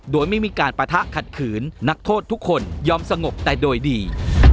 โดยไม่มีการปะทะขัดขืนนักโทษทุกคนยอมสงบแต่โดยดี